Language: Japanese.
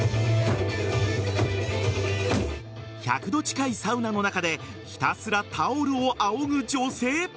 １００度近いサウナの中でひたすらタオルをあおぐ女性。